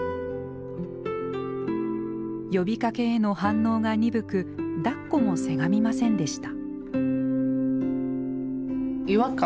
呼びかけへの反応が鈍くだっこもせがみませんでした。